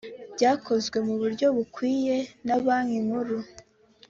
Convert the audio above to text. byakoozwe mu buryo bukwiye na banki nkuru